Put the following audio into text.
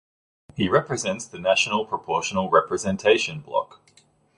He represents the National proportional representation block.